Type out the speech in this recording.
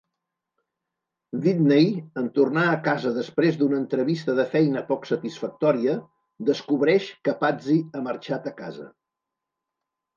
Whitney, en tornar a casa després d'una entrevista de feina poc satisfactòria, descobreix que Patsy ha marxat a casa.